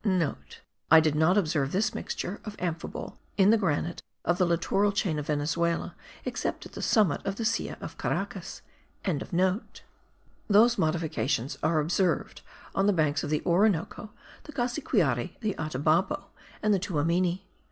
(* I did not observe this mixture of amphibole in the granite of the littoral chain of Venezuela except at the summit of the Silla of Caracas.) Those modifications are observed on the banks of the Orinoco, the Cassiquiare, the Atabapo, and the Tuamini.